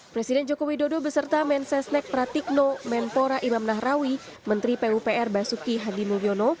presiden joko widodo beserta mensesnek pratikno menpora imam nahrawi menteri pupr basuki hadi mulyono